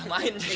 atau gimana tuh